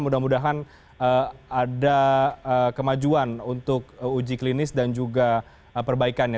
mudah mudahan ada kemajuan untuk uji klinis dan juga perbaikannya